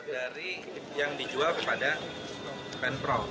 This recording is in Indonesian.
dari yang dijual kepada pemprov